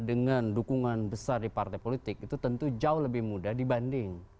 dengan dukungan besar di partai politik itu tentu jauh lebih mudah dibanding